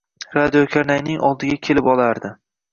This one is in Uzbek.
deb radiokarnayning oldiga kelib olardi.